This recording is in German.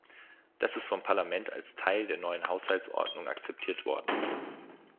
Das ist vom Parlament als Teil der neuen Haushaltsordnung akzeptiert worden.